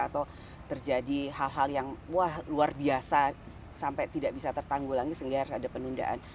atau terjadi hal hal yang wah luar biasa sampai tidak bisa tertanggulangi sehingga harus ada penundaan